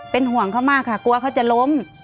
เป็นห่วงเขามากค่ะกลัวเขาจะล้ม